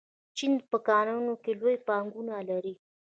چین په کانونو کې لویه پانګونه لري.